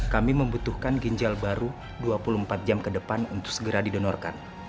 kami membutuhkan ginjal baru dua puluh empat jam ke depan untuk segera didonorkan